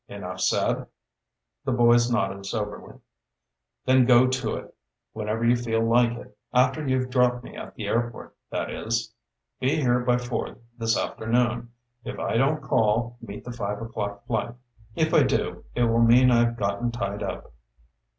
Enough said?" The boys nodded soberly. "Then go to it, whenever you feel like it after you've dropped me at the airport, that is. Be here by four this afternoon. If I don't call, meet the five o'clock flight. If I do, it will mean I've gotten tied up."